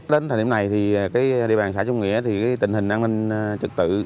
đến thời điểm này địa bàn xã trung nghĩa tình hình an ninh trực tự